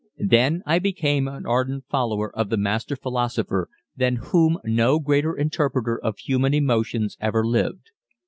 Then I became an ardent follower of the Master Philosopher, than whom no greater interpreter of human emotions ever lived.